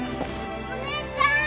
お姉ちゃん。